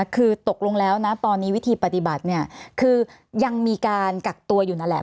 คือตกลงแล้วนะตอนนี้วิธีปฏิบัติเนี่ยคือยังมีการกักตัวอยู่นั่นแหละ